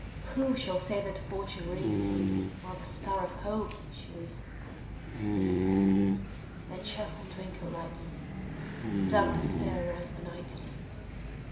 Who shall say that Fortune grieves him, While the star of hope she leaves him? Me, nae cheerfu' twinkle lights me; Dark despair around benights me.